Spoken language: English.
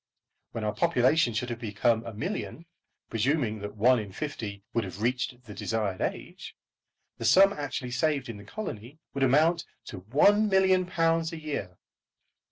When our population should have become a million, presuming that one only in fifty would have reached the desired age, the sum actually saved to the colony would amount to £1,000,000 a year.